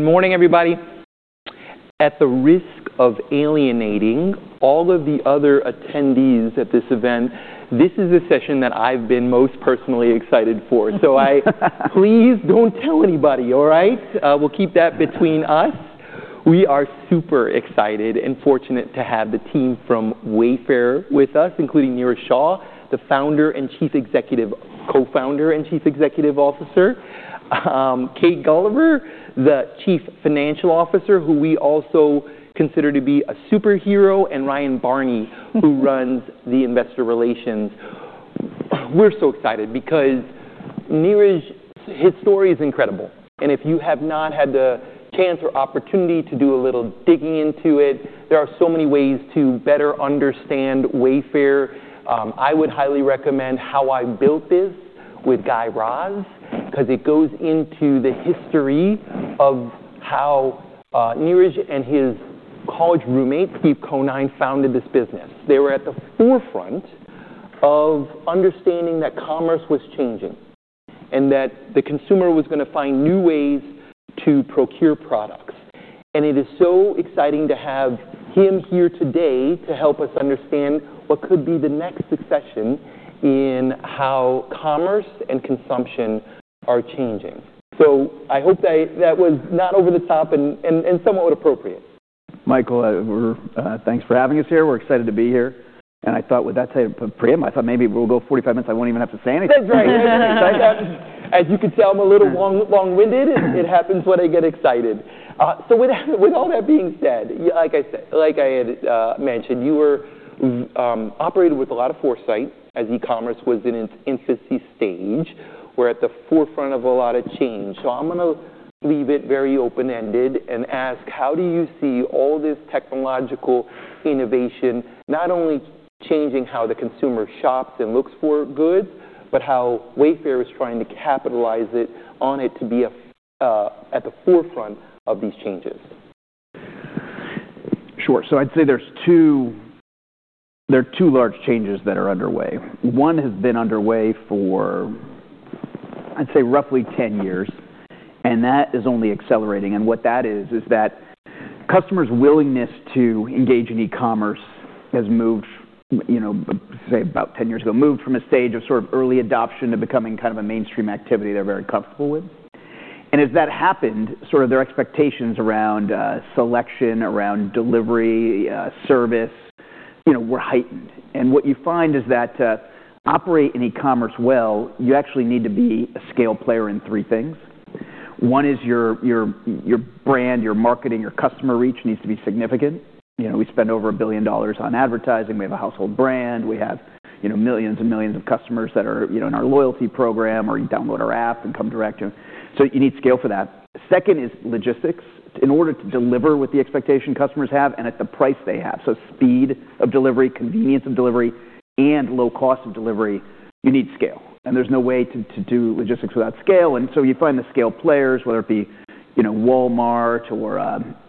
Good morning, everybody. At the risk of alienating all of the other attendees at this event, this is a session that I've been most personally excited for. Please don't tell anybody, all right? We'll keep that between us. We are super excited and fortunate to have the team from Wayfair with us, including Niraj Shah, the Co-founder and Chief Executive Officer, Kate Gulliver, the Chief Financial Officer, who we also consider to be a superhero, and Ryan Barney, who runs Investor Relations. We're so excited because Niraj, his story is incredible. If you have not had the chance or opportunity to do a little digging into it, there are so many ways to better understand Wayfair. I would highly recommend How I Built This with Guy Raz 'cause it goes into the history of how Niraj and his college roommate, Steve Conine, founded this business. They were at the forefront of understanding that commerce was changing and that the consumer was gonna find new ways to procure products. It is so exciting to have him here today to help us understand what could be the next succession in how commerce and consumption are changing. I hope that was not over the top and somewhat appropriate. Michael, thanks for having us here. We're excited to be here. I thought with that sort of preamble, maybe we'll go 45 minutes, I won't even have to say anything. That's right. As you can tell, I'm a little long-winded. It happens when I get excited. With all that being said, like I had mentioned, you were operating with a lot of foresight as e-commerce was in its infancy stage. We're at the forefront of a lot of change. I'm gonna leave it very open-ended and ask, how do you see all this technological innovation not only changing how the consumer shops and looks for goods, but how Wayfair is trying to capitalize on it to be at the forefront of these changes? I'd say there are two large changes that are underway. One has been underway for, I'd say, roughly 10 years, and that is only accelerating. What that is that customers' willingness to engage in e-commerce has moved, you know, say about 10 years ago, from a stage of sort of early adoption to becoming kind of a mainstream activity they're very comfortable with. As that happened, sort of their expectations around selection, around delivery, service, you know, were heightened. What you find is that to operate in e-commerce well, you actually need to be a scale player in three things. One is your brand, your marketing, your customer reach needs to be significant. You know, we spend over $1 billion on advertising. We have a household brand. We have, you know, millions and millions of customers that are, you know, in our loyalty program or download our app and come direct to. You need scale for that. Second is logistics. In order to deliver what the expectations customers have and at the price they have, so speed of delivery, convenience of delivery, and low cost of delivery, you need scale. There's no way to do logistics without scale. You find the scale players, whether it be, you know, Walmart or,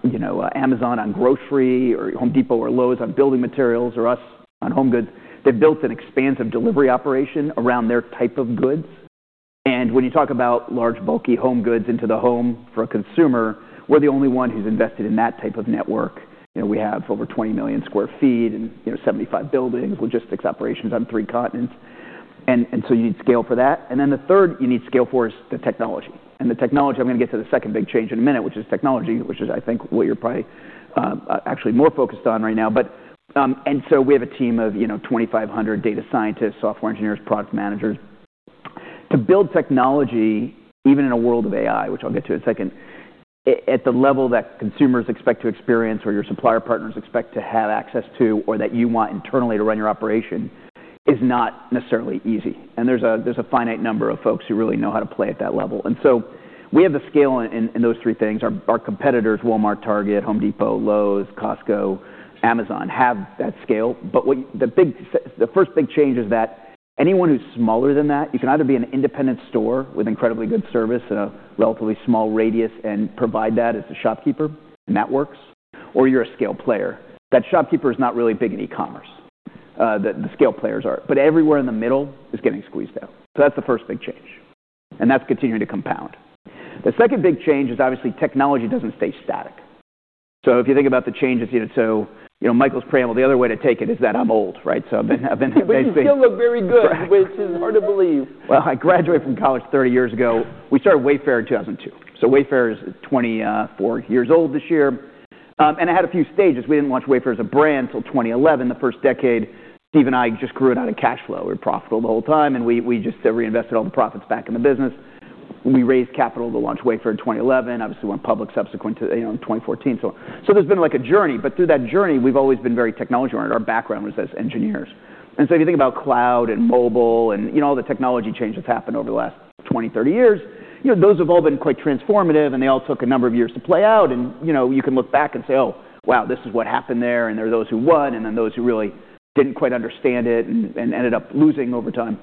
you know, Amazon on grocery or Home Depot or Lowe's on building materials or us on home goods. They've built an expansive delivery operation around their type of goods. When you talk about large, bulky home goods into the home for a consumer, we're the only one who's invested in that type of network. You know, we have over 20 million sq ft and, you know, 75 buildings, logistics operations on three continents. So you need scale for that. The third you need scale for is the technology. The technology, I'm gonna get to the second big change in a minute, which is technology, which is I think what you're probably actually more focused on right now. We have a team of, you know, 2,500 data scientists, software engineers, product managers. To build technology, even in a world of AI, which I'll get to in a second, at the level that consumers expect to experience or your supplier partners expect to have access to or that you want internally to run your operation is not necessarily easy. There's a finite number of folks who really know how to play at that level. We have the scale in those three things. Our competitors, Walmart, Target, Home Depot, Lowe's, Costco, Amazon, have that scale. The first big change is that anyone who's smaller than that, you can either be an independent store with incredibly good service in a relatively small radius and provide that as a shopkeeper, and that works, or you're a scale player. That shopkeeper is not really big in e-commerce, the scale players are. Everywhere in the middle is getting squeezed out. That's the first big change, and that's continuing to compound. The second big change is obviously technology doesn't stay static. If you think about the changes, you know. you know, Michael's preamble, the other way to take it is that I'm old, right? I've been basically- You still look very good. Which is hard to believe. Well, I graduated from college 30 years ago. We started Wayfair in 2002. Wayfair is 24 years old this year. It had a few stages. We didn't launch Wayfair as a brand till 2011. The first decade, Steve and I just grew it out of cash flow. We were profitable the whole time, and we just reinvested all the profits back in the business. We raised capital to launch Wayfair in 2011, obviously went public subsequent to, you know, in 2014. There's been like a journey, but through that journey, we've always been very technology-oriented. Our background was as engineers. If you think about cloud and mobile and, you know, all the technology change that's happened over the last 20, 30 years, you know, those have all been quite transformative, and they all took a number of years to play out. You know, you can look back and say, "Oh, wow, this is what happened there," and there are those who won, and then those who really didn't quite understand it and ended up losing over time.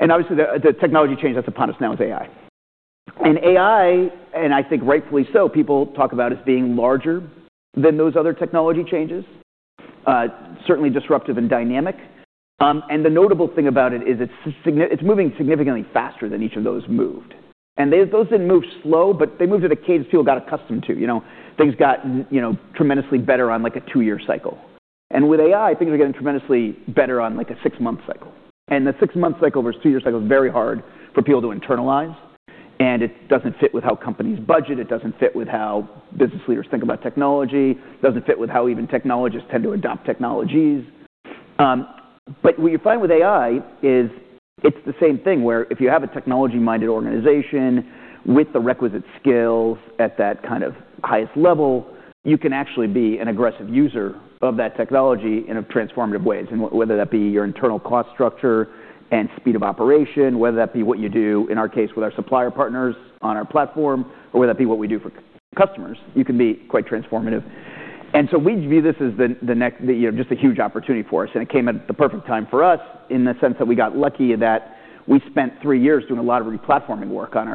Obviously, the technology change that's upon us now is AI. AI, and I think rightfully so, people talk about as being larger than those other technology changes, certainly disruptive and dynamic. The notable thing about it is it's moving significantly faster than each of those moved. Those didn't move slow, but they moved at a cadence people got accustomed to. You know, things got, you know, tremendously better on, like, a two-year cycle. With AI, things are getting tremendously better on, like, a six-month cycle. The six-month cycle versus two-year cycle is very hard for people to internalize, and it doesn't fit with how companies budget. It doesn't fit with how business leaders think about technology. It doesn't fit with how even technologists tend to adopt technologies. But what you find with AI is it's the same thing where if you have a technology-minded organization with the requisite skills at that kind of highest level, you can actually be an aggressive user of that technology in a transformative ways. Whether that be your internal cost structure and speed of operation, whether that be what you do, in our case, with our supplier partners on our platform, or whether that be what we do for customers, you can be quite transformative. So we view this as the next, you know, just a huge opportunity for us. It came at the perfect time for us in the sense that we got lucky that we spent three years doing a lot of re-platforming work on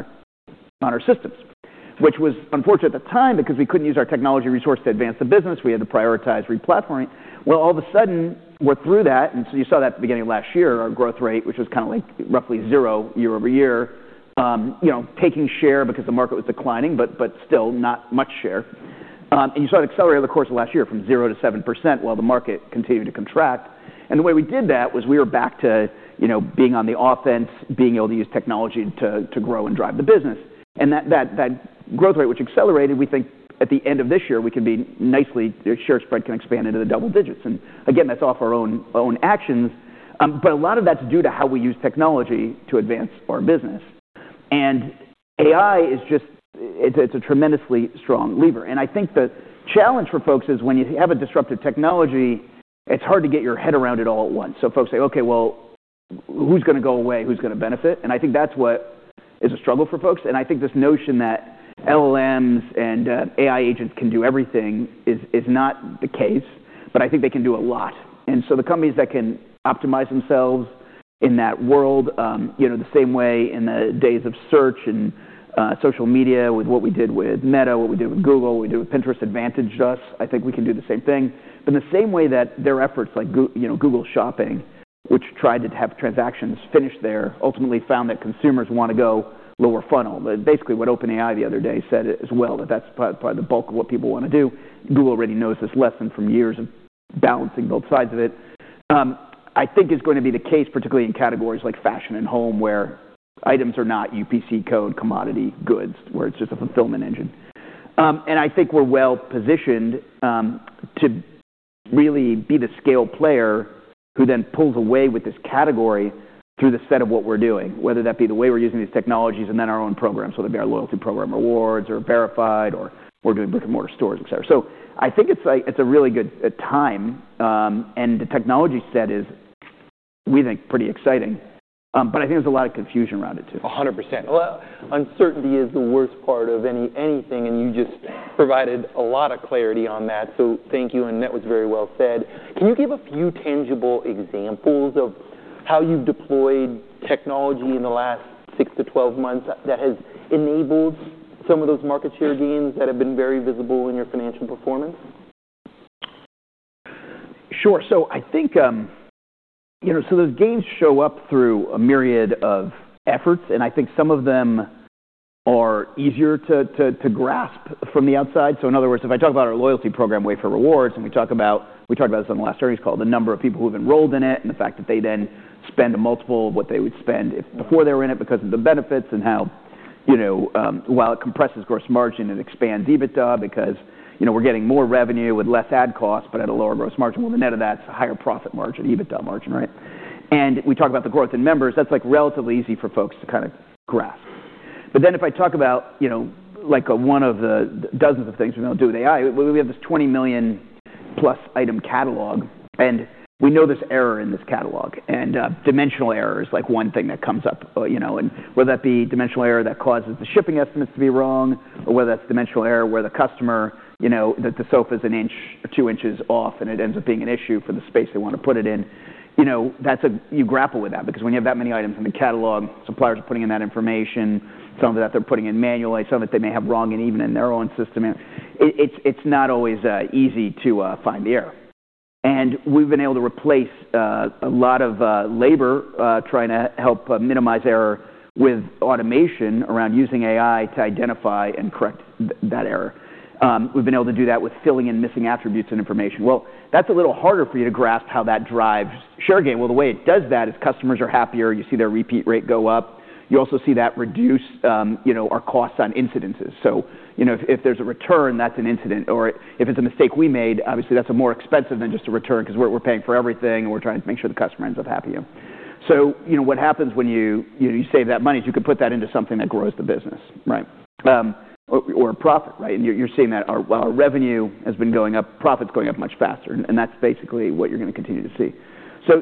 our systems, which was unfortunate at the time because we couldn't use our technology resource to advance the business. We had to prioritize re-platforming. Well, all of a sudden, we're through that, and so you saw that at the beginning of last year, our growth rate, which was kind of like roughly 0% year-over-year, you know, taking share because the market was declining, but still not much share. You saw it accelerate over the course of last year from 0%-7% while the market continued to contract. The way we did that was we were back to, you know, being on the offense, being able to use technology to grow and drive the business. That growth rate, which accelerated, we think at the end of this year, we can be nicely, the share spread can expand into the double digits. Again, that's off our own actions. a lot of that's due to how we use technology to advance our business. AI is just. It's a tremendously strong lever. I think the challenge for folks is when you have a disruptive technology, it's hard to get your head around it all at once. Folks say, "Okay, well, who's gonna go away? Who's gonna benefit?" I think that's what is a struggle for folks. I think this notion that LLMs and AI agents can do everything is not the case, but I think they can do a lot. The companies that can optimize themselves in that world, the same way in the days of search and social media with what we did with Meta, what we did with Google, what we did with Pinterest advantaged us. I think we can do the same thing. In the same way that their efforts like Google Shopping, you know, which tried to have transactions finished there, ultimately found that consumers wanna go lower funnel. Basically, what OpenAI the other day said as well, that that's probably the bulk of what people wanna do. Google already knows this lesson from years of balancing both sides of it. I think it's going to be the case, particularly in categories like fashion and home, where items are not UPC code commodity goods, where it's just a fulfillment engine. I think we're well-positioned to really be the scale player who then pulls away with this category through the set of what we're doing, whether that be the way we're using these technologies and then our own programs, whether it be our loyalty program rewards or verified or we're doing brick-and-mortar stores, et cetera. I think it's, like, it's a really good time, and the technology set is, we think, pretty exciting. I think there's a lot of confusion around it too. 100%. Well, uncertainty is the worst part of anything, and you just provided a lot of clarity on that. Thank you, and that was very well said. Can you give a few tangible examples of how you've deployed technology in the last 6-12 months that has enabled some of those market share gains that have been very visible in your financial performance? Sure. I think, you know, so those gains show up through a myriad of efforts, and I think some of them are easier to grasp from the outside. In other words, if I talk about our loyalty program, Wayfair Rewards, and we talked about this on the last earnings call, the number of people who have enrolled in it and the fact that they then spend a multiple of what they would spend if before they were in it because of the benefits and how, you know, while it compresses gross margin and expands EBITDA because, you know, we're getting more revenue with less ad cost, but at a lower gross margin. Well, the net of that's a higher profit margin, EBITDA margin, right? We talk about the growth in members. That's, like, relatively easy for folks to kind of grasp. If I talk about, you know, like, one of the dozens of things we now do with AI, we have this 20 million+ item catalog, and we know there's error in this catalog. Dimensional error is, like, one thing that comes up, you know, and whether that be dimensional error that causes the shipping estimates to be wrong or whether that's dimensional error where the customer, you know, that the sofa's an inch or two inches off and it ends up being an issue for the space they want to put it in. You know, that's. You grapple with that because when you have that many items in the catalog, suppliers are putting in that information, some of that they're putting in manually, some that they may have wrong and even in their own system, and it's not always easy to find the error. We've been able to replace a lot of labor trying to help minimize error with automation around using AI to identify and correct that error. We've been able to do that with filling in missing attributes and information. Well, that's a little harder for you to grasp how that drives share gain. Well, the way it does that is customers are happier. You see their repeat rate go up. You also see that reduce, you know, our costs on incidences. You know, if there's a return, that's an incident. If it's a mistake we made, obviously that's more expensive than just a return because we're paying for everything, and we're trying to make sure the customer ends up happier. You know, what happens when you save that money is you can put that into something that grows the business, right? Or profit, right? You're seeing that while our revenue has been going up, profit's going up much faster, and that's basically what you're gonna continue to see.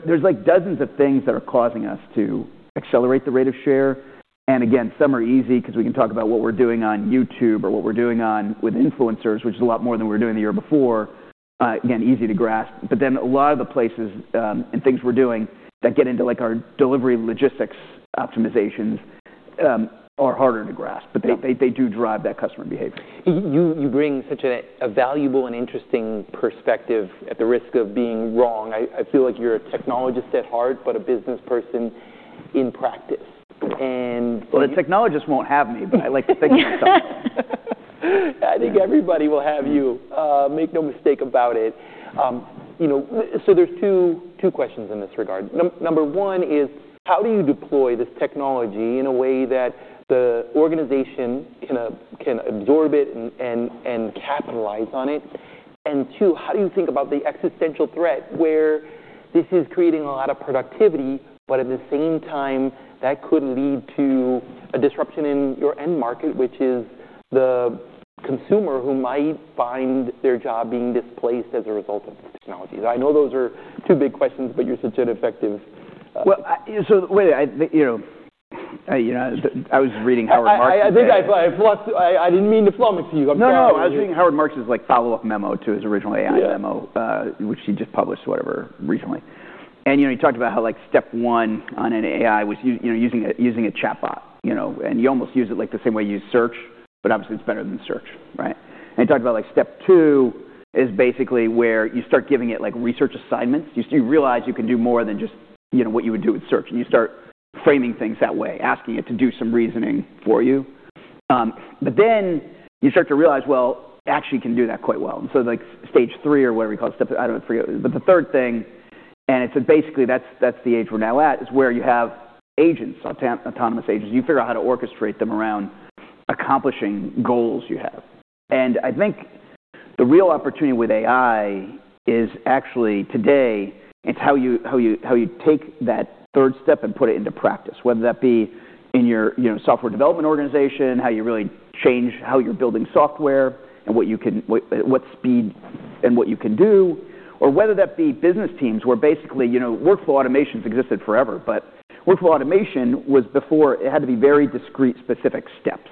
There's, like, dozens of things that are causing us to accelerate the rate of share. Some are easy because we can talk about what we're doing on YouTube or what we're doing with influencers, which is a lot more than we were doing the year before. Again, easy to grasp. A lot of the places and things we're doing that get into, like, our delivery logistics optimizations are harder to grasp. Yeah. They do drive that customer behavior. You bring such a valuable and interesting perspective at the risk of being wrong. I feel like you're a technologist at heart, but a business person in practice. Well, the technologists won't have me, but I like to think of myself as one. I think everybody will have to make no mistake about it. You know, there's two questions in this regard. Number one is, how do you deploy this technology in a way that the organization can absorb it and capitalize on it? Two, how do you think about the existential threat where this is creating a lot of productivity, but at the same time, that could lead to a disruption in your end market, which is the consumer who might find their job being displaced as a result of this technology? I know those are two big questions, but you're such an effective, Wait, I think, you know, I was reading Howard Marks today. I didn't mean to flaunt with you. I'm sorry. No, no. I was reading Howard Marks' like, follow-up memo to his original AI memo. Yeah. which he just published whatever recently. You know, he talked about how like step one on an AI was, you know, using a chatbot, you know. You almost use it like the same way you use search, but obviously, it's better than search, right? He talked about like step two is basically where you start giving it like research assignments. You realize you can do more than just, you know, what you would do with search, and you start framing things that way, asking it to do some reasoning for you. You start to realize, well, it actually can do that quite well. Like stage three or whatever you call it. The third thing, and it's basically that's the stage we're now at, is where you have agents, autonomous agents. You figure out how to orchestrate them around accomplishing goals you have. And I think the real opportunity with AI is actually today, it's how you take that third step and put it into practice, whether that be in your, you know, software development organization, how you really change how you're building software and what you can, what speed and what you can do, or whether that be business teams, where basically, you know, workflow automation's existed forever. Workflow automation was before, it had to be very discrete, specific steps.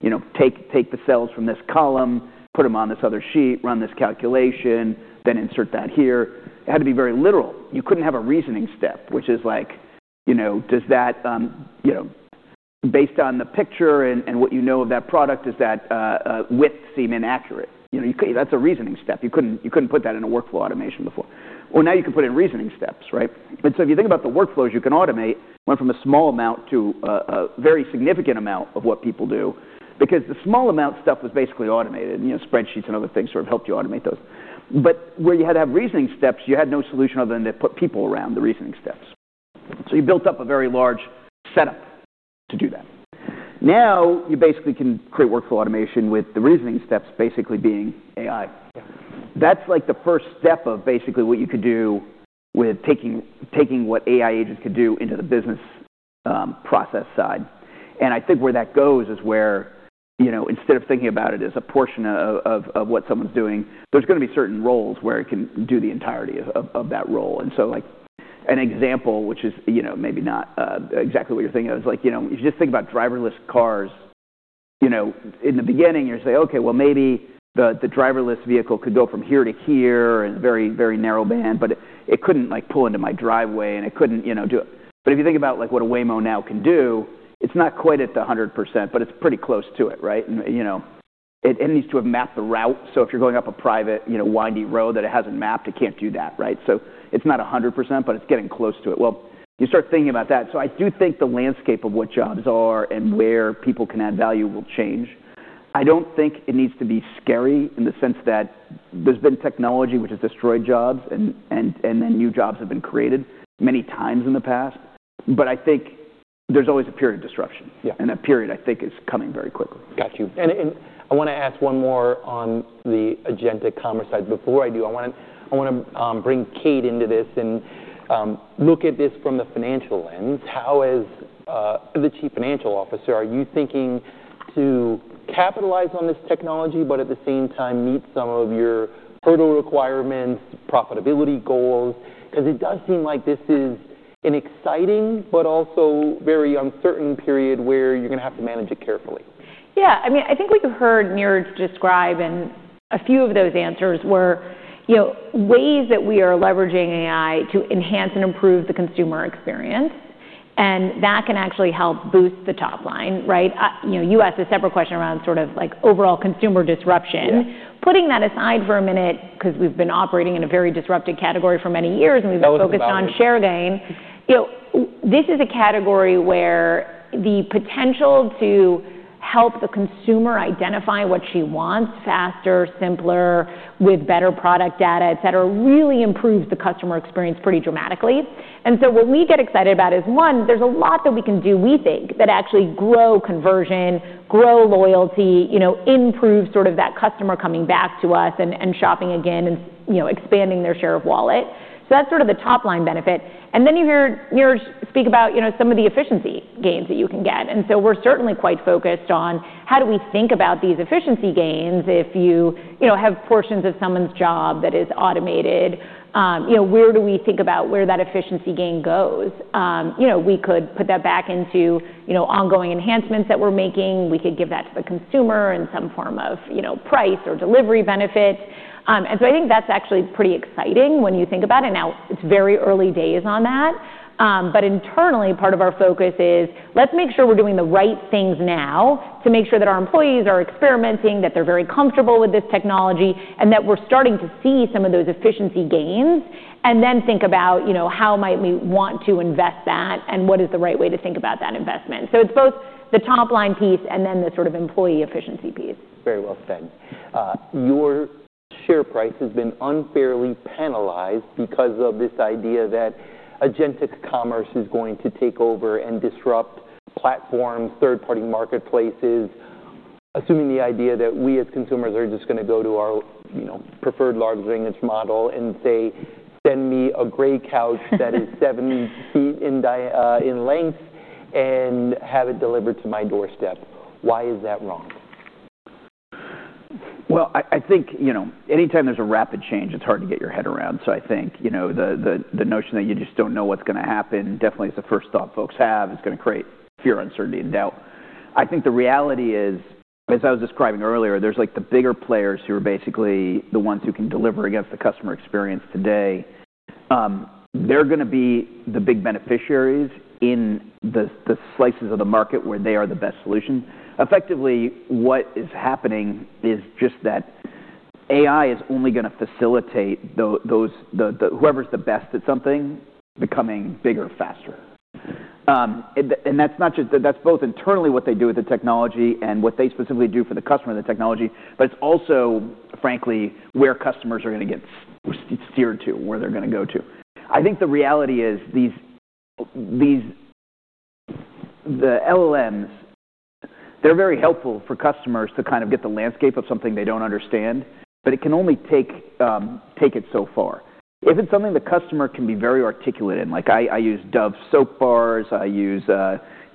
You know, take the cells from this column, put them on this other sheet, run this calculation, then insert that here. It had to be very literal. You couldn't have a reasoning step, which is like, you know, does that, you know, based on the picture and what you know of that product, does that width seem inaccurate? You know, you could. That's a reasoning step. You couldn't put that in a workflow automation before. Well, now you can put in reasoning steps, right? If you think about the workflows you can automate, went from a small amount to a very significant amount of what people do. Because the small amount stuff was basically automated, and you know, spreadsheets and other things sort of helped you automate those. But where you had to have reasoning steps, you had no solution other than to put people around the reasoning steps. So you built up a very large setup to do that. Now, you basically can create workflow automation with the reasoning steps basically being AI. That's like the first step of basically what you could do with taking what AI agents could do into the business process side. I think where that goes is where, you know, instead of thinking about it as a portion of what someone's doing, there's gonna be certain roles where it can do the entirety of that role. Like, an example, which is, you know, maybe not exactly what you're thinking of, is like, you know, if you just think about driverless cars, you know, in the beginning, you're saying, "Okay, well, maybe the driverless vehicle could go from here to here in a very, very narrow band," but it couldn't, like, pull into my driveway, and it couldn't, you know, do it. If you think about, like, what a Waymo now can do, it's not quite at the 100%, but it's pretty close to it, right? You know. It needs to have mapped the route, so if you're going up a private, you know, windy road that it hasn't mapped, it can't do that, right? It's not a hundred percent, but it's getting close to it. Well, you start thinking about that. I do think the landscape of what jobs are and where people can add value will change. I don't think it needs to be scary in the sense that there's been technology which has destroyed jobs and then new jobs have been created many times in the past. I think there's always a period of disruption. Yeah. That period, I think, is coming very quickly. Got you. I wanna ask one more on the agentic commerce side. Before I do, I wanna bring Kate into this and look at this from the financial lens. How, as the Chief Financial Officer, are you thinking to capitalize on this technology, but at the same time meet some of your hurdle requirements, profitability goals? 'Cause it does seem like this is an exciting but also very uncertain period where you're gonna have to manage it carefully. Yeah. I mean, I think what you heard Niraj describe in a few of those answers were, you know, ways that we are leveraging AI to enhance and improve the consumer experience, and that can actually help boost the top line, right? You know, you asked a separate question around sort of like overall consumer disruption. Yeah. Putting that aside for a minute, 'cause we've been operating in a very disrupted category for many years, and we've been focused on share gain. You know, this is a category where the potential to help the consumer identify what she wants faster, simpler, with better product data, et cetera, really improves the customer experience pretty dramatically. What we get excited about is, one, there's a lot that we can do, we think, that actually grow conversion, grow loyalty, you know, improve sort of that customer coming back to us and shopping again and, you know, expanding their share of wallet. So that's sort of the top-line benefit. Then you heard Niraj speak about, you know, some of the efficiency gains that you can get. We're certainly quite focused on how do we think about these efficiency gains if you know, have portions of someone's job that is automated, you know, where do we think that efficiency gain goes? You know, we could put that back into, you know, ongoing enhancements that we're making. We could give that to the consumer in some form of, you know, price or delivery benefit. I think that's actually pretty exciting when you think about it. Now, it's very early days on that. Internally, part of our focus is, let's make sure we're doing the right things now to make sure that our employees are experimenting, that they're very comfortable with this technology, and that we're starting to see some of those efficiency gains, and then think about, you know, how might we want to invest that, and what is the right way to think about that investment. It's both the top-line piece and then the sort of employee efficiency piece. Very well said. Your share price has been unfairly penalized because of this idea that agentic commerce is going to take over and disrupt platforms, third-party marketplaces, assuming the idea that we as consumers are just gonna go to our, you know, preferred large language model and say, "Send me a gray couch that is seven feet in length and have it delivered to my doorstep." Why is that wrong? Well, I think, you know, anytime there's a rapid change, it's hard to get your head around. I think, you know, the notion that you just don't know what's gonna happen definitely is the first thought folks have. It's gonna create fear, uncertainty, and doubt. I think the reality is, as I was describing earlier, there's like the bigger players who are basically the ones who can deliver against the customer experience today. They're gonna be the big beneficiaries in the slices of the market where they are the best solution. Effectively, what is happening is just that AI is only gonna facilitate whoever's the best at something becoming bigger faster. That's both internally what they do with the technology and what they specifically do for the customer with the technology, but it's also frankly where customers are gonna get steered to, where they're gonna go to. I think the reality is the LLMs. They're very helpful for customers to kind of get the landscape of something they don't understand, but it can only take it so far. If it's something the customer can be very articulate in, like I use Dove soap bars, I use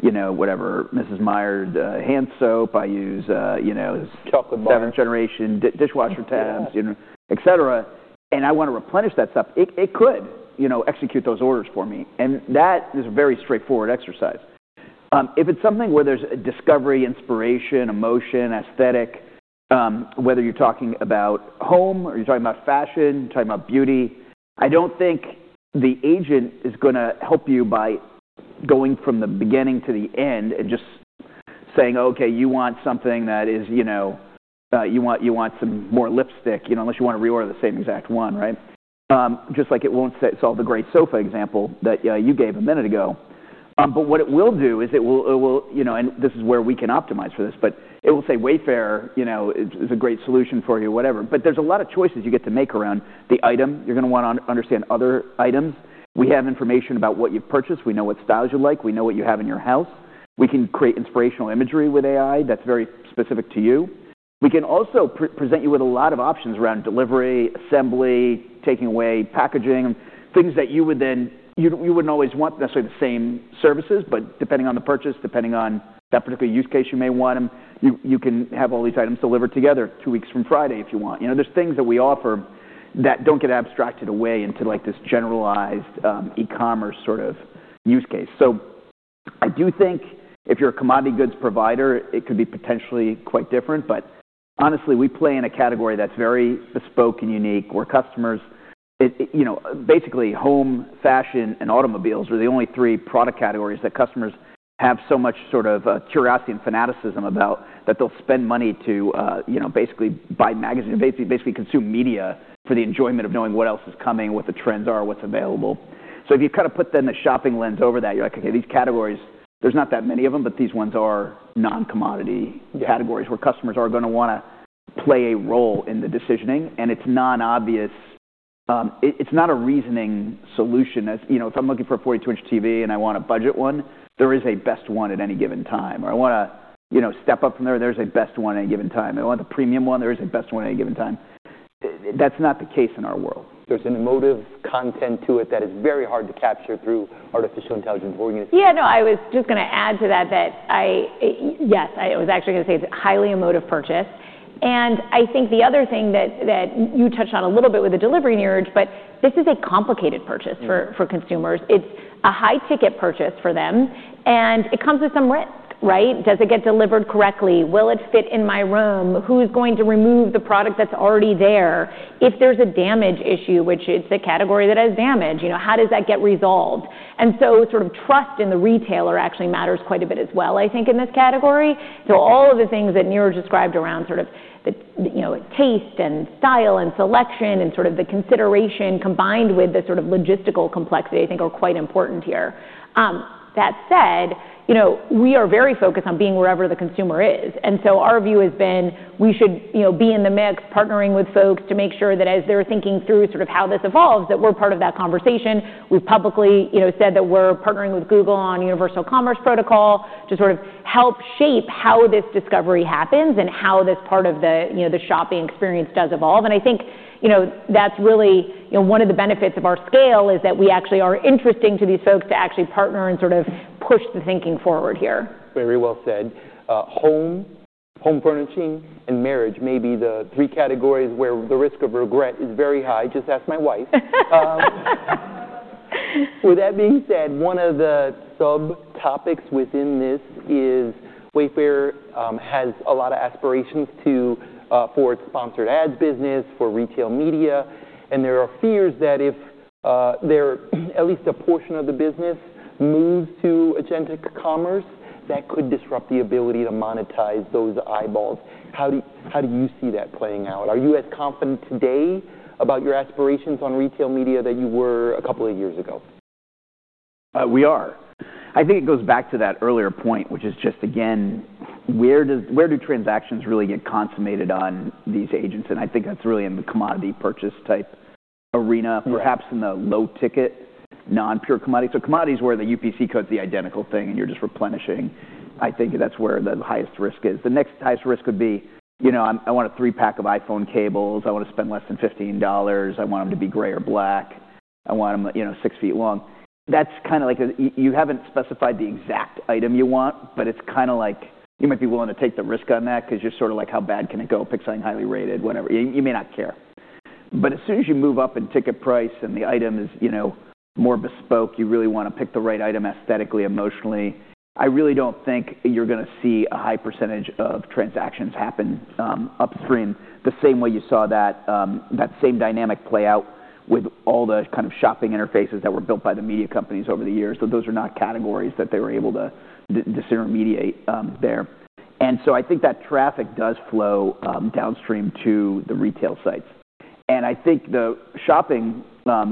you know whatever, Mrs. Meyer's hand soap, I use you know- Chocolate milk. Seventh Generation dishwasher tabs, you know, et cetera, and I wanna replenish that stuff, it could, you know, execute those orders for me, and that is a very straightforward exercise. If it's something where there's discovery, inspiration, emotion, aesthetic, whether you're talking about home or you're talking about fashion, you're talking about beauty, I don't think the agent is gonna help you by going from the beginning to the end and just saying, "Okay, you want something that is, you know, you want some more lipstick," you know, unless you want to reorder the same exact one, right? Just like it won't solve the gray sofa example that you gave a minute ago. What it will do is it will, you know, and this is where we can optimize for this, but it will say Wayfair, you know, is a great solution for you, whatever. There's a lot of choices you get to make around the item. You're gonna wanna understand other items. We have information about what you've purchased. We know what styles you like. We know what you have in your house. We can create inspirational imagery with AI that's very specific to you. We can also pre-present you with a lot of options around delivery, assembly, taking away packaging, things that you would then. You wouldn't always want necessarily the same services, but depending on the purchase, depending on that particular use case, you may want them. You can have all these items delivered together two weeks from Friday if you want. You know, there's things that we offer that don't get abstracted away into like this generalized, e-commerce sort of use case. I do think if you're a commodity goods provider, it could be potentially quite different. Honestly, we play in a category that's very bespoke and unique, where customers you know basically home, fashion, and automobiles are the only three product categories that customers have so much sort of curiosity and fanaticism about that they'll spend money to you know basically buy magazines, basically consume media for the enjoyment of knowing what else is coming, what the trends are, what's available. If you kind of put then the shopping lens over that, you're like, okay, these categories, there's not that many of them, but these ones are non-commodity categories where customers are gonna wanna play a role in the decisioning, and it's non-obvious. It's not a reasoning solution. You know, if I'm looking for a 42-inch TV and I want a budget one, there is a best one at any given time. Or I wanna, you know, step up from there's a best one at any given time. I want the premium one, there is a best one at any given time. That's not the case in our world. There's an emotive content to it that is very hard to capture through artificial intelligence or even. Yeah, no, I was just gonna add to that. Yes, I was actually gonna say it's a highly emotive purchase. I think the other thing that you touched on a little bit with the delivery, Niraj, but this is a complicated purchase for consumers. It's a high-ticket purchase for them, and it comes with some risk, right? Does it get delivered correctly? Will it fit in my room? Who's going to remove the product that's already there? If there's a damage issue, which it's a category that has damage, you know, how does that get resolved? Sort of trust in the retailer actually matters quite a bit as well, I think, in this category. All of the things that Niraj described around sort of the, you know, taste and style and selection and sort of the consideration combined with the sort of logistical complexity, I think, are quite important here. That said, you know, we are very focused on being wherever the consumer is. Our view has been we should, you know, be in the mix, partnering with folks to make sure that as they're thinking through sort of how this evolves, that we're part of that conversation. We've publicly, you know, said that we're partnering with Google on Universal Commerce Protocol to sort of help shape how this discovery happens and how this part of the, you know, the shopping experience does evolve. I think, you know, that's really, you know, one of the benefits of our scale is that we actually are interesting to these folks to actually partner and sort of push the thinking forward here. Very well said. Home furnishing and marriage may be the three categories where the risk of regret is very high. Just ask my wife. With that being said, one of the subtopics within this is Wayfair has a lot of aspirations for its sponsored ads business, for retail media, and there are fears that if there's at least a portion of the business moves to agentic commerce, that could disrupt the ability to monetize those eyeballs. How do you see that playing out? Are you as confident today about your aspirations on retail media than you were a couple of years ago? I think it goes back to that earlier point, which is just again, where do transactions really get consummated on these agents? I think that's really in the commodity purchase type arena. Perhaps in the low ticket, non-pure commodity. Commodities where the UPC code's the identical thing and you're just replenishing. I think that's where the highest risk is. The next highest risk would be, you know, I want a three-pack of iPhone cables. I wanna spend less than $15. I want them to be gray or black. I want them, you know, six feet long. That's kinda like a you haven't specified the exact item you want, but it's kinda like you might be willing to take the risk on that 'cause you're sorta like, "How bad can it go? Pick something highly rated," whatever. You may not care. As soon as you move up in ticket price and the item is, you know, more bespoke, you really wanna pick the right item aesthetically, emotionally. I really don't think you're gonna see a high percentage of transactions happen upstream the same way you saw that that same dynamic play out with all the kind of shopping interfaces that were built by the media companies over the years. Those are not categories that they were able to disintermediate there. I think that traffic does flow downstream to the retail sites. I think the shopping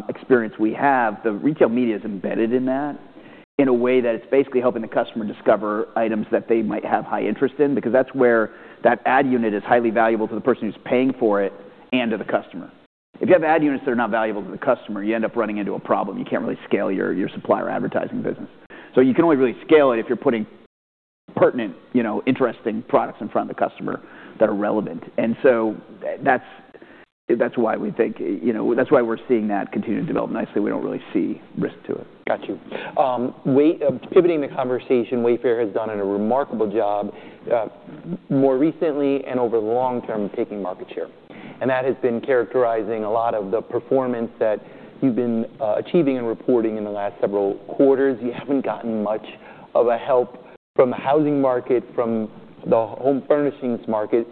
experience we have, the retail media is embedded in that in a way that it's basically helping the customer discover items that they might have high interest in, because that's where that ad unit is highly valuable to the person who's paying for it and to the customer. If you have ad units that are not valuable to the customer, you end up running into a problem. You can't really scale your supplier advertising business. You can only really scale it if you're putting pertinent, you know, interesting products in front of the customer that are relevant. That's why we think, you know. That's why we're seeing that continue to develop nicely. We don't really see risk to it. Got you. Pivoting the conversation, Wayfair has done a remarkable job, more recently and over the long term taking market share, and that has been characterizing a lot of the performance that you've been achieving and reporting in the last several quarters. You haven't gotten much of a help from the housing market, from the home furnishings market.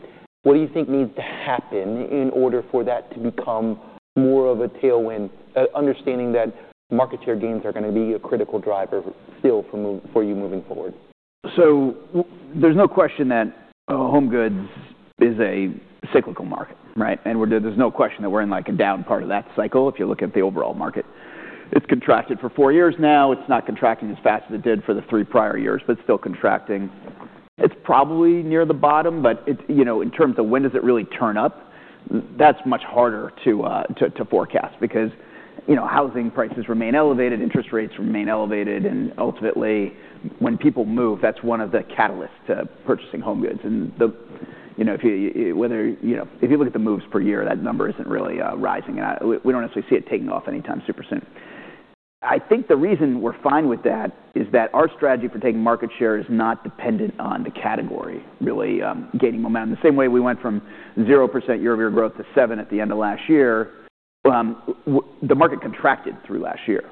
What do you think needs to happen in order for that to become more of a tailwind, understanding that market share gains are gonna be a critical driver still for you moving forward? There's no question that home goods is a cyclical market, right? There's no question that we're in, like, a down part of that cycle if you look at the overall market. It's contracted for four years now. It's not contracting as fast as it did for the three prior years, but it's still contracting. It's probably near the bottom, but it's, you know, in terms of when does it really turn up, that's much harder to forecast because, you know, housing prices remain elevated, interest rates remain elevated, and ultimately when people move, that's one of the catalysts to purchasing home goods. You know, if you look at the moves per year, that number isn't really rising. We don't necessarily see it taking off anytime super soon. I think the reason we're fine with that is that our strategy for taking market share is not dependent on the category really gaining momentum. The same way we went from 0% year-over-year growth to 7% at the end of last year, the market contracted through last year.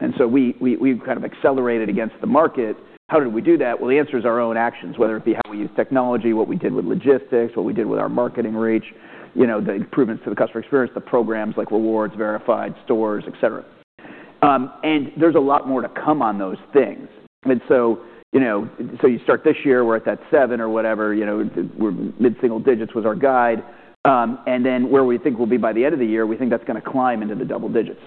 We've kind of accelerated against the market. How did we do that? Well, the answer is our own actions, whether it be how we use technology, what we did with logistics, what we did with our marketing reach, you know, the improvements to the customer experience, the programs like Rewards, Wayfair Verified, et cetera. There's a lot more to come on those things. You know, so you start this year, we're at that 7% or whatever, you know. We're mid-single digits was our guide. Where we think we'll be by the end of the year, we think that's gonna climb into the double digits.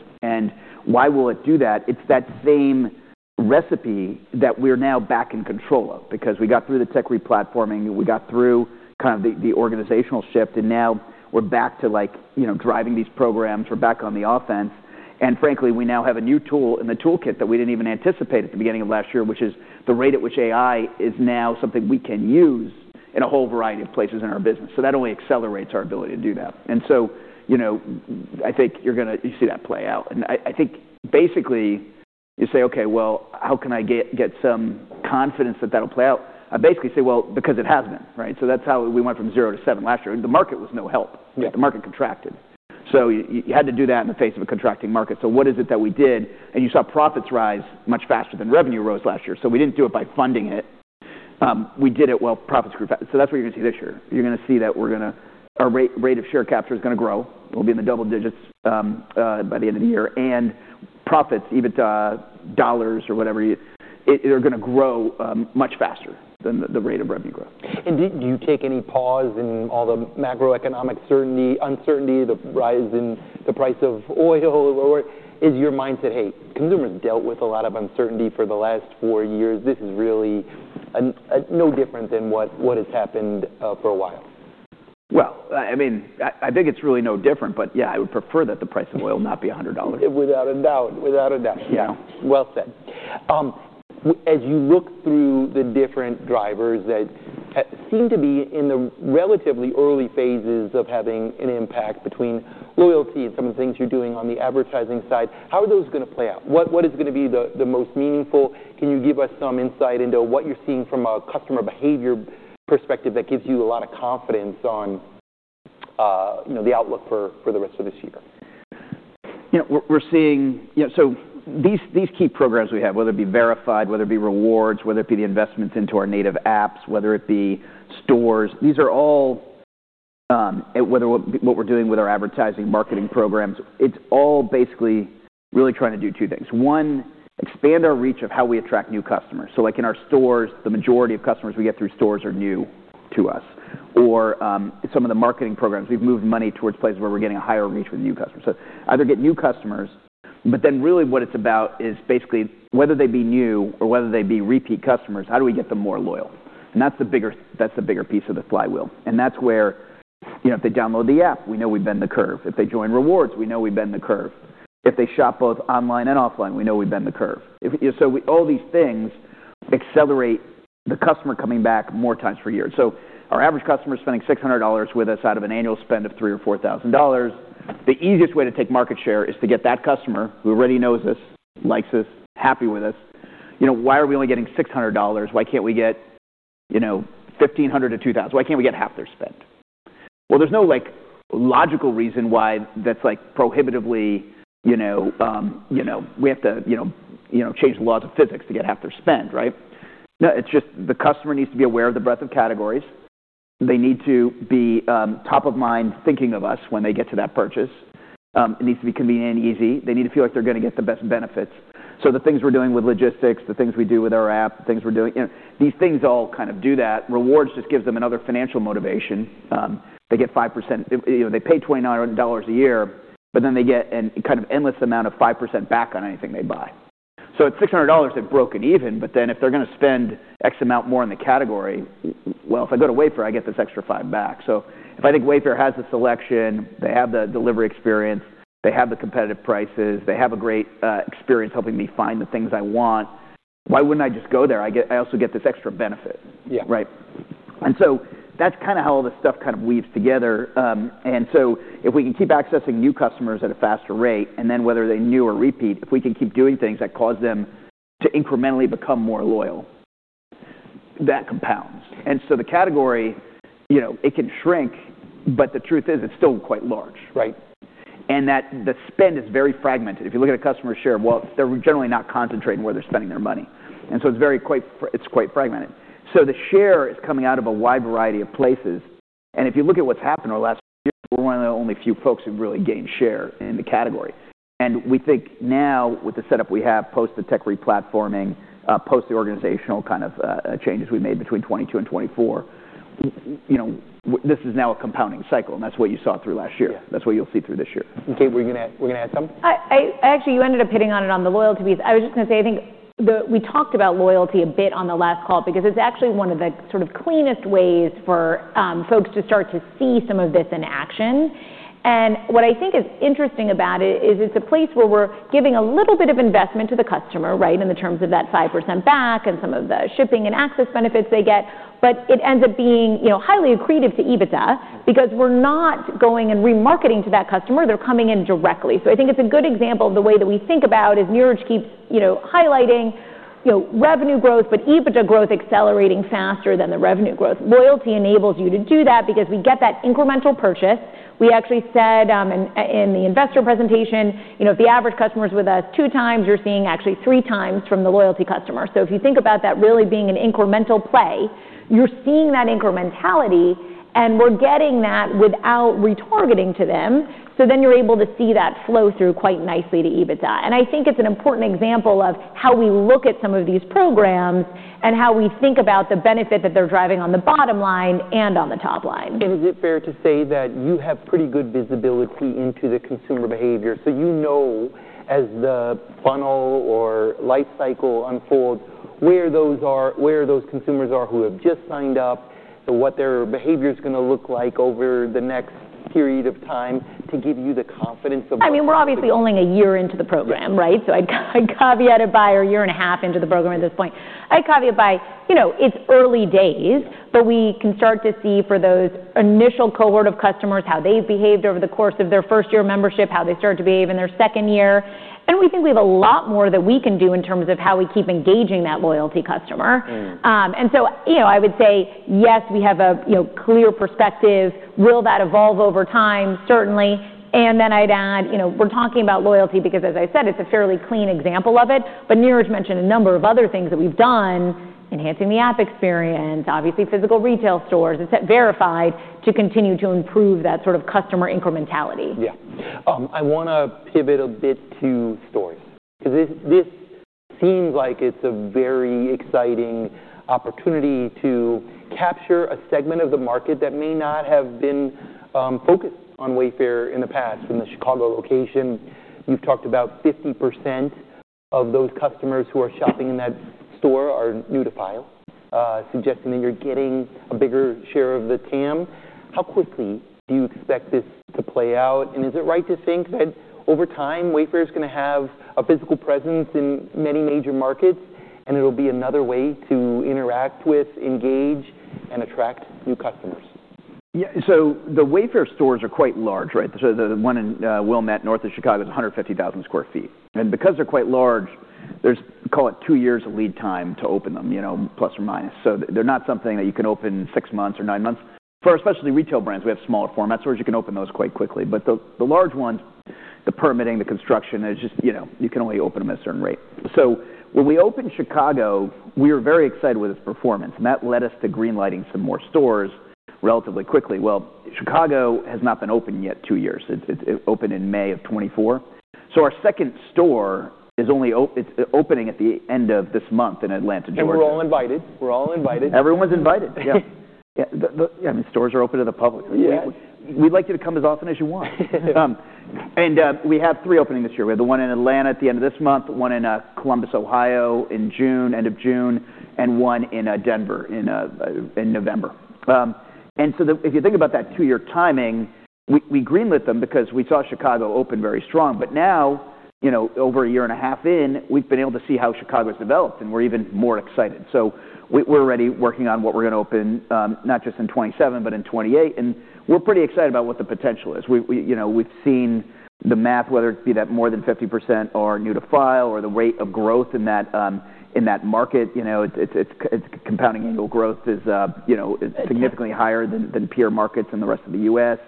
Why will it do that? It's that same recipe that we're now back in control of because we got through the tech re-platforming, we got through kind of the organizational shift, and now we're back to like, you know, driving these programs. We're back on the offense, and frankly, we now have a new tool in the toolkit that we didn't even anticipate at the beginning of last year, which is the rate at which AI is now something we can use in a whole variety of places in our business. That only accelerates our ability to do that. You know, I think you're gonna see that play out. I think basically you say, "Okay, well, how can I get some confidence that that'll play out?" I basically say, "Well, because it has been," right? That's how we went from 0-7 last year, and the market was no help. Yeah. The market contracted, so you had to do that in the face of a contracting market. What is it that we did? You saw profits rise much faster than revenue rose last year. We didn't do it by funding it. We did it while profits grew. That's what you're gonna see this year. You're gonna see that our rate of share capture is gonna grow. We'll be in the double digits by the end of the year. Profits, EBITDA, dollars or whatever, they're gonna grow much faster than the rate of revenue growth. Did you take any pause in all the macroeconomic certainty, uncertainty, the rise in the price of oil or. Is your mindset, "Hey, consumers dealt with a lot of uncertainty for the last four years. This is really no different than what has happened for a while"? Well, I mean, I think it's really no different. Yeah, I would prefer that the price of oil not be $100. Without a doubt. Yeah. Well said. As you look through the different drivers that seem to be in the relatively early phases of having an impact between loyalty and some of the things you're doing on the advertising side, how are those gonna play out? What is gonna be the most meaningful? Can you give us some insight into what you're seeing from a customer behavior perspective that gives you a lot of confidence on, you know, the outlook for the rest of this year? You know, we're seeing. You know, so these key programs we have, whether it be verified, whether it be rewards, whether it be the investments into our native apps, whether it be stores, these are all. What we're doing with our advertising and marketing programs, it's all basically really trying to do two things. One, expand our reach of how we attract new customers. Like in our stores, the majority of customers we get through stores are new to us. Some of the marketing programs, we've moved money towards places where we're getting a higher reach with new customers. Either get new customers, but then really what it's about is basically whether they be new or whether they be repeat customers, how do we get them more loyal. That's the bigger piece of the flywheel. That's where, you know, if they download the app, we know we bend the curve. If they join rewards, we know we bend the curve. If they shop both online and offline, we know we bend the curve. All these things accelerate the customer coming back more times per year. Our average customer is spending $600 with us out of an annual spend of $3,000 or $4,000. The easiest way to take market share is to get that customer who already knows us, likes us, happy with us. You know, why are we only getting $600? Why can't we get, you know, $1,500-$2,000? Why can't we get half their spend? Well, there's no, like, logical reason why that's like prohibitively, you know, we have to change the laws of physics to get half their spend, right? No, it's just the customer needs to be aware of the breadth of categories. They need to be top of mind thinking of us when they get to that purchase. It needs to be convenient and easy. They need to feel like they're gonna get the best benefits. The things we're doing with logistics, the things we do with our app, the things we're doing, these things all kind of do that. Rewards just gives them another financial motivation. They get 5%. You know, they pay $2,900 a year, but then they get a kind of endless amount of 5% back on anything they buy. At $600, they've broken even. If they're gonna spend X amount more in the category, well, if I go to Wayfair, I get this extra $5 back. If I think Wayfair has the selection, they have the delivery experience, they have the competitive prices, they have a great experience helping me find the things I want, why wouldn't I just go there? I also get this extra benefit. Yeah. Right? That's kinda how all this stuff kind of weaves together. If we can keep accessing new customers at a faster rate, and then whether they're new or repeat, if we can keep doing things that cause them to incrementally become more loyal, that compounds. The category, you know, it can shrink, but the truth is it's still quite large, right? The spend is very fragmented. If you look at a customer share, well, they're generally not concentrating where they're spending their money. It's quite fragmented. The share is coming out of a wide variety of places. If you look at what's happened over the last year, we're one of the only few folks who've really gained share in the category. We think now with the setup we have post the tech re-platforming, post the organizational kind of changes we made between 2022 and 2024, you know, this is now a compounding cycle, and that's what you saw through last year. Yeah. That's what you'll see through this year. Kate, were you gonna add something? I actually, you ended up hitting on it on the loyalty piece. I was just gonna say, I think we talked about loyalty a bit on the last call because it's actually one of the sort of cleanest ways for folks to start to see some of this in action. What I think is interesting about it is it's a place where we're giving a little bit of investment to the customer, right, in the terms of that 5% back and some of the shipping and access benefits they get. It ends up being, you know, highly accretive to EBITDA because we're not going and remarketing to that customer. They're coming in directly. I think it's a good example of the way that we think about as Niraj keeps, you know, highlighting, you know, revenue growth, but EBITDA growth accelerating faster than the revenue growth. Loyalty enables you to do that because we get that incremental purchase. We actually said in the investor presentation, you know, if the average customer is with us two times, you're seeing actually three times from the loyalty customer. If you think about that really being an incremental play, you're seeing that incrementality, and we're getting that without retargeting to them. You're able to see that flow through quite nicely to EBITDA. I think it's an important example of how we look at some of these programs and how we think about the benefit that they're driving on the bottom line and on the top line. Is it fair to say that you have pretty good visibility into the consumer behavior? You know, as the funnel or life cycle unfolds, where those consumers are who have just signed up, so what their behavior is gonna look like over the next period of time to give you the confidence of. I mean, we're obviously only a year into the program, right? I'd caveat it by a year and a half into the program at this point. I caveat it by, you know, it's early days, but we can start to see for those initial cohort of customers, how they've behaved over the course of their first year membership, how they start to behave in their second year. We think we have a lot more that we can do in terms of how we keep engaging that loyalty customer. you know, I would say, yes, we have a, you know, clear perspective. Will that evolve over time? Certainly. Then I'd add, you know, we're talking about loyalty because, as I said, it's a fairly clean example of it. Niraj mentioned a number of other things that we've done, enhancing the app experience, obviously physical retail stores, it's that Verified to continue to improve that sort of customer incrementality. Yeah. I wanna pivot a bit to stores because this seems like it's a very exciting opportunity to capture a segment of the market that may not have been focused on Wayfair in the past. In the Chicago location, you've talked about 50% of those customers who are shopping in that store are new to Wayfair, suggesting that you're getting a bigger share of the TAM. How quickly do you expect this to play out? Is it right to think that over time, Wayfair is gonna have a physical presence in many major markets, and it'll be another way to interact with, engage, and attract new customers? Yeah. The Wayfair stores are quite large, right? The one in Wilmette, north of Chicago, is 150,000 sq ft. Because they're quite large, there's call it two years of lead time to open them, you know, plus or minus. They're not something that you can open six months or nine months. For especially retail brands, we have smaller formats stores. You can open those quite quickly. The large ones, the permitting, the construction, it's just, you know, you can only open them at a certain rate. When we opened Chicago, we were very excited with its performance, and that led us to green-lighting some more stores relatively quickly. Well, Chicago has not been open yet two years. It opened in May of 2024. Our second store is only opening at the end of this month in Atlanta, Georgia. We're all invited. Everyone's invited, yeah. Yeah. I mean, the stores are open to the public. Yeah. We'd like you to come as often as you want. We have three openings this year. We have the one in Atlanta at the end of this month, one in Columbus, Ohio, in June, end of June, and one in Denver in November. If you think about that two-year timing, we greenlit them because we saw Chicago open very strong. Now, you know, over a year and a half in, we've been able to see how Chicago's developed, and we're even more excited. We're already working on what we're gonna open, not just in 2027, but in 2028, and we're pretty excited about what the potential is. We, you know, we've seen the math, whether it be that more than 50% are new to file or the rate of growth in that, in that market. You know, it's compound annual growth is, you know, significantly higher than peer markets in the rest of the U.S..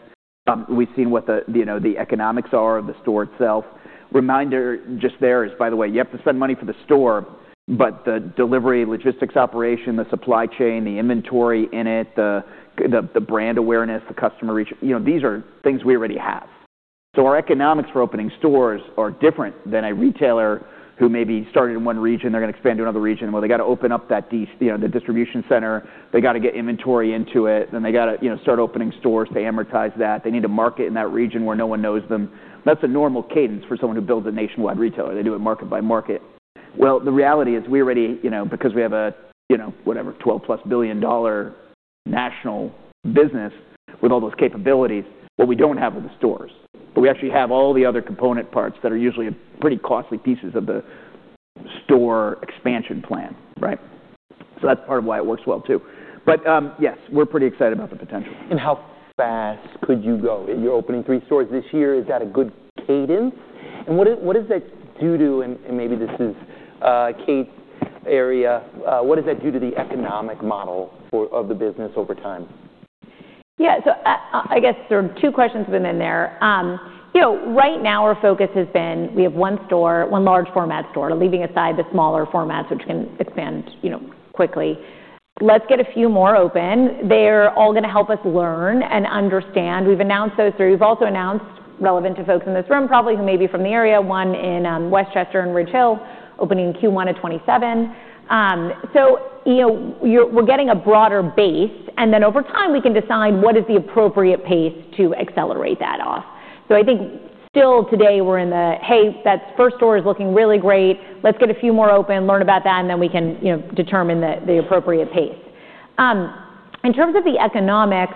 We've seen what the, you know, the economics are of the store itself. Reminder just there is, by the way, you have to spend money for the store, but the delivery, logistics operation, the supply chain, the inventory in it, the brand awareness, the customer reach, you know, these are things we already have. Our economics for opening stores are different than a retailer who maybe started in one region, they're gonna open up that, you know, the distribution center. They got to get inventory into it. Then they got to, you know, start opening stores to amortize that. They need to market in that region where no one knows them. That's a normal cadence for someone who builds a nationwide retailer. They do it market by market. Well, the reality is we already, you know, because we have a, you know, whatever, $12+ billion national business with all those capabilities, what we don't have are the stores. But we actually have all the other component parts that are usually pretty costly pieces of the store expansion plan, right? So that's part of why it works well, too. Yes, we're pretty excited about the potential. How fast could you go? You're opening three stores this year. Is that a good cadence? What does that do to, and maybe this is Kate's area, what does that do to the economic model of the business over time? Yeah. I guess there are two questions within there. You know, right now our focus has been we have one store, one large format store, leaving aside the smaller formats which can expand, you know, quickly. Let's get a few more open. They're all gonna help us learn and understand. We've announced those three. We've also announced relevant to folks in this room, probably who may be from the area, one in Westchester and Ridge Hill opening in Q1 of 2027. You know, we're getting a broader base, and then over time, we can decide what is the appropriate pace to accelerate that off. I think still today we're in the, "Hey, that first store is looking really great. Let's get a few more open, learn about that, and then we can, you know, determine the appropriate pace. In terms of the economics,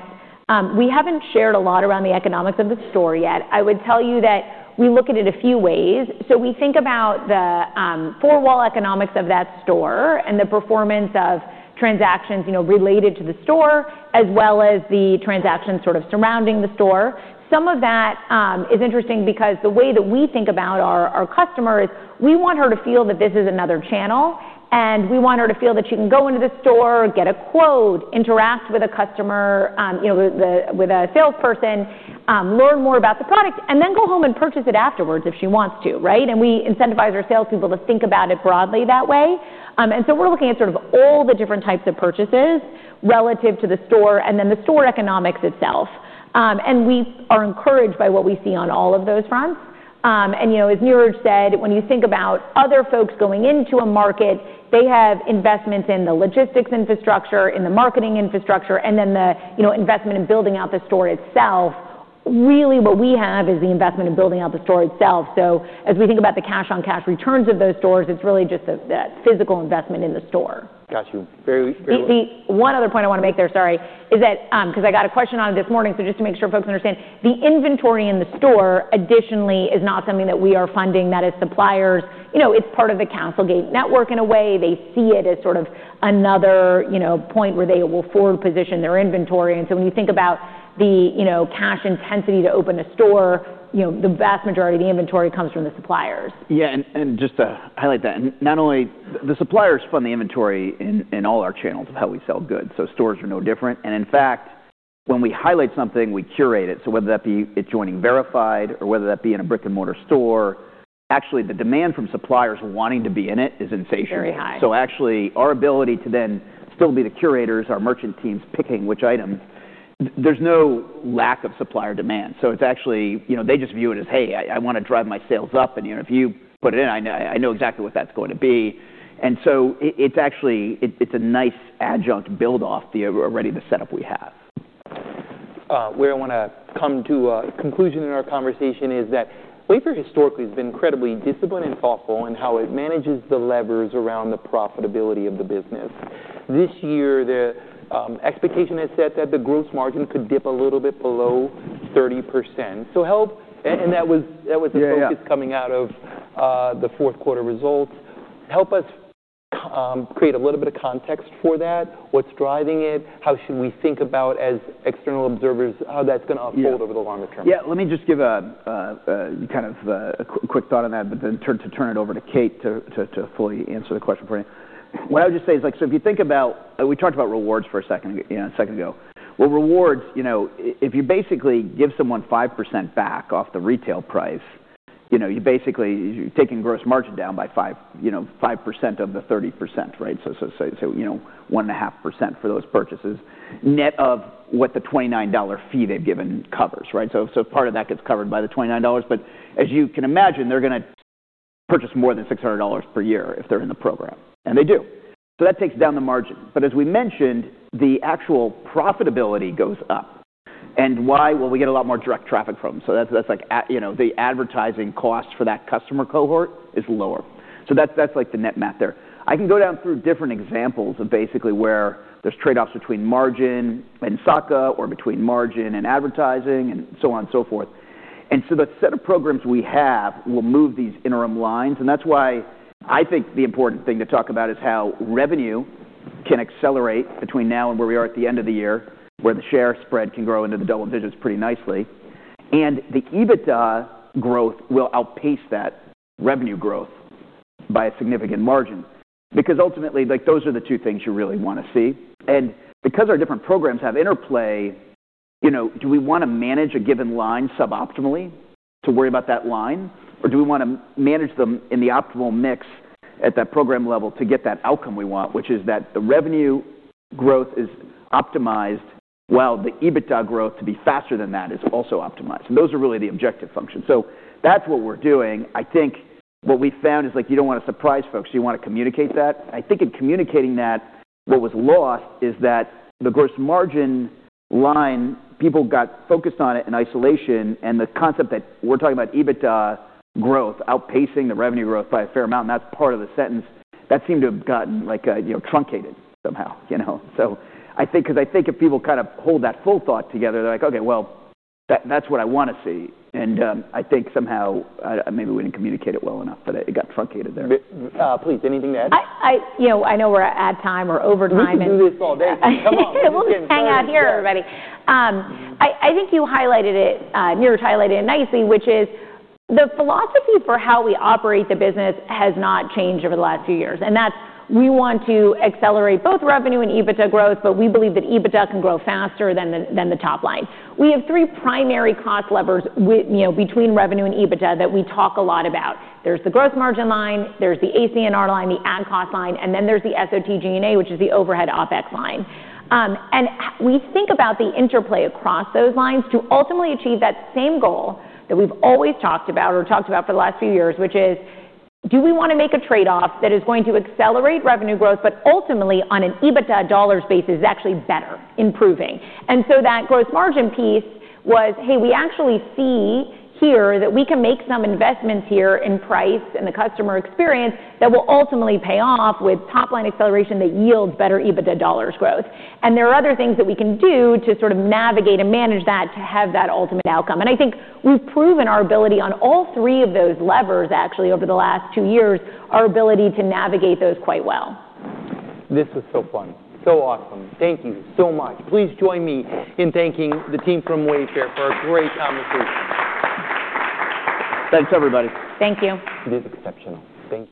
we haven't shared a lot around the economics of the store yet. I would tell you that we look at it a few ways. We think about the four wall economics of that store and the performance of transactions, you know, related to the store, as well as the transactions sort of surrounding the store. Some of that is interesting because the way that we think about our customer is we want her to feel that this is another channel, and we want her to feel that she can go into the store, get a quote, interact with a customer, you know, with a salesperson, learn more about the product, and then go home and purchase it afterwards if she wants to, right? We incentivize our sales people to think about it broadly that way. We're looking at sort of all the different types of purchases relative to the store and then the store economics itself. We are encouraged by what we see on all of those fronts. You know, as Niraj said, when you think about other folks going into a market, they have investments in the logistics infrastructure, in the marketing infrastructure, and then the, you know, investment in building out the store itself. Really, what we have is the investment in building out the store itself. As we think about the cash-on-cash returns of those stores, it's really just the physical investment in the store. Got you. One other point I want to make there, sorry, is that, 'cause I got a question on it this morning, so just to make sure folks understand, the inventory in the store additionally is not something that we are funding, that is suppliers. You know, it's part of the CastleGate network in a way. They see it as sort of another, you know, point where they will forward position their inventory. When you think about the, you know, cash intensity to open a store, you know, the vast majority of the inventory comes from the suppliers. Just to highlight that, not only the suppliers fund the inventory in all our channels of how we sell goods, so stores are no different. In fact, when we highlight something, we curate it. Whether that be it joining Verified or whether that be in a brick-and-mortar store, actually, the demand from suppliers wanting to be in it is insatiable. Very high. Actually, our ability to then still be the curators, our merchant teams picking which item, there's no lack of supplier demand. It's actually. You know, they just view it as, "Hey, I wanna drive my sales up. And, you know, if you put it in, I know exactly what that's going to be." It's actually, it's a nice adjunct build off the already the setup we have. Where I wanna come to a conclusion in our conversation is that Wayfair historically has been incredibly disciplined and thoughtful in how it manages the levers around the profitability of the business. This year, the expectation is set that the gross margin could dip a little bit below 30%. Yeah, yeah. The focus coming out of the fourth quarter results. Help us create a little bit of context for that. What's driving it? How should we think about as external observers, how that's gonna unfold over the longer term? Yeah. Let me just give a kind of quick thought on that, but then turn it over to Kate to fully answer the question for you. What I would just say is, like, so if you think about. We talked about rewards for a second, you know, a second ago. Well, rewards, you know, if you basically give someone 5% back off the retail price, you know, you're basically taking gross margin down by five, you know, 5% of the 30%, right? So, you know, 1.5% for those purchases, net of what the $29 fee they've given covers, right? Part of that gets covered by the $29. As you can imagine, they're gonna purchase more than $600 per year if they're in the program, and they do. That takes down the margin. As we mentioned, the actual profitability goes up. Why? Well, we get a lot more direct traffic from them. That's like a you know, the advertising cost for that customer cohort is lower. That's like the net math there. I can go down through different examples of basically where there's trade-offs between margin and S&A or between margin and advertising and so on and so forth. The set of programs we have will move these interim lines, and that's why I think the important thing to talk about is how revenue can accelerate between now and where we are at the end of the year, where the share spread can grow into the double digits pretty nicely. The EBITDA growth will outpace that revenue growth by a significant margin because ultimately, like, those are the two things you really wanna see. Because our different programs have interplay, you know, do we wanna manage a given line suboptimally to worry about that line? Or do we wanna manage them in the optimal mix at that program level to get that outcome we want, which is that the revenue growth is optimized while the EBITDA growth to be faster than that is also optimized. Those are really the objective functions. That's what we're doing. I think what we found is, like, you don't wanna surprise folks. You wanna communicate that. I think in communicating that, what was lost is that the gross margin line, people got focused on it in isolation, and the concept that we're talking about EBITDA growth outpacing the revenue growth by a fair amount, and that's part of the sentence, that seemed to have gotten like, you know, truncated somehow, you know? I think 'cause I think if people kind of hold that full thought together, they're like, "Okay, well, that's what I wanna see." I think somehow, maybe we didn't communicate it well enough, but it got truncated there. Please, anything to add? I, you know, I know we're at time. We're over time. We could do this all day. Come on. We're getting started. We'll just hang out here, everybody. I think you highlighted it, Niraj highlighted it nicely, which is the philosophy for how we operate the business has not changed over the last few years, and that's we want to accelerate both revenue and EBITDA growth, but we believe that EBITDA can grow faster than the top line. We have three primary cost levers with, you know, between revenue and EBITDA that we talk a lot about. There's the gross margin line, there's the ACNR line, the ad cost line, and then there's the SG&A, which is the overhead OpEx line. We think about the interplay across those lines to ultimately achieve that same goal that we've always talked about or talked about for the last few years, which is do we wanna make a trade-off that is going to accelerate revenue growth, but ultimately on an EBITDA dollar space is actually better, improving. That growth margin piece was, hey, we actually see here that we can make some investments here in price and the customer experience that will ultimately pay off with top-line acceleration that yields better EBITDA dollars growth. There are other things that we can do to sort of navigate and manage that to have that ultimate outcome. I think we've proven our ability on all three of those levers actually over the last two years, our ability to navigate those quite well. This was so fun. Awesome. Thank you so much. Please join me in thanking the team from Wayfair for a great conversation. Thanks, everybody. Thank you. It is exceptional. Thank you.